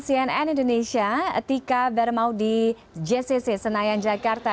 cnn indonesia tika bermaudi jcc senayan jakarta